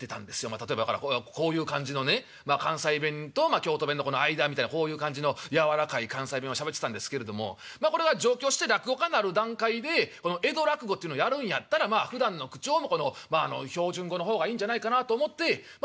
例えばだからこういう感じのね関西弁と京都弁のこの間みたいなこういう感じの柔らかい関西弁をしゃべってたんですけれどもこれが上京して落語家になる段階でこの江戸落語というのをやるんやったらふだんの口調もこの標準語の方がいいんじゃないかなと思ってまあ